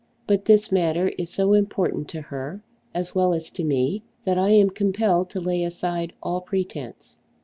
But this matter is so important to her as well as to me that I am compelled to lay aside all pretence.